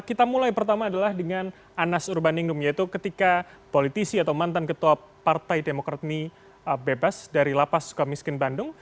kita mulai pertama adalah dengan anas urbaningrum yaitu ketika politisi atau mantan ketua partai demokrat ini bebas dari lapas suka miskin bandung